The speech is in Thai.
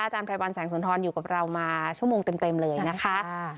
ไพรวัลแสงสุนทรอยู่กับเรามาชั่วโมงเต็มเลยนะคะ